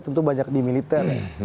tentu banyak di militer